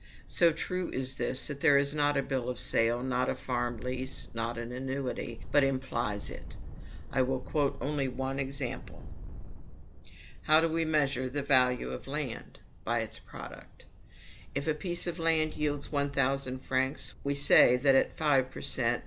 So true is this, that there is not a bill of sale, not a farm lease, not an annuity, but implies it. I will quote only one example. How do we measure the value of land? By its product. If a piece of land yields one thousand francs, we say that at five per cent.